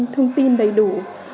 thông tin đầy đủ